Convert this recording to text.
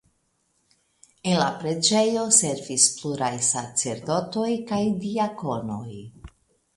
En la preĝejo servis pluraj sacerdotoj kaj diakonoj.